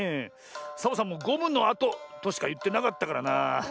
サボさんも「ゴムのあと」としかいってなかったからな。